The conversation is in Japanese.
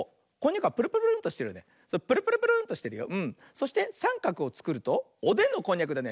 そしてさんかくをつくるとおでんのこんにゃくだね。